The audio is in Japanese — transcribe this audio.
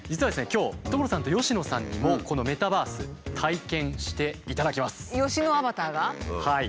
今日所さんと佳乃さんにもこのメタバース体験していただきます。